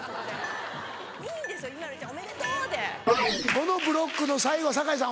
このブロックの最後堺さん